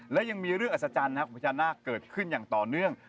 และยังมีเรื่องอัศจรรย์ของพญานาคเกิดขึ้นอย่างต่อเนื่อง